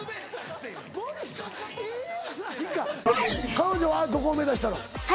彼女はどこを目指したの？へ？